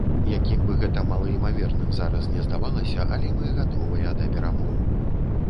Якім бы гэта малаімаверным зараз не здавалася, але мы гатовыя да перамоў.